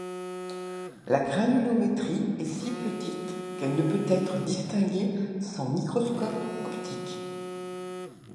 La granulométrie est si petite qu'elle ne peut être distinguée sans microscope optique.